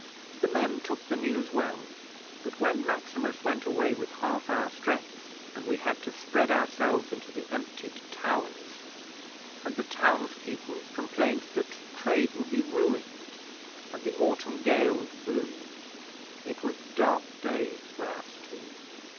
'The men took the news well; but when Maximus went away with half our strength, and we had to spread ourselves into the emptied towers, and the townspeople complained that trade would be ruined, and the autumn gales blew it was dark days for us two.